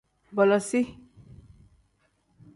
Bolosiv.